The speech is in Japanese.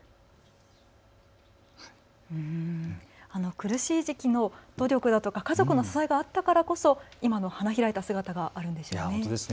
苦しい時期の努力だとか家族の支えがあったからこそ今の花開いた姿があるんですね。